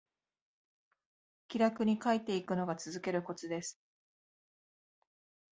気楽に書いていくのが続けるコツです